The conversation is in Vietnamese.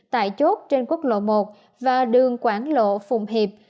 tại chốt trên quốc lộ một và đường quảng lộ phùng hiệp